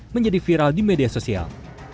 menjadi viral di media sosial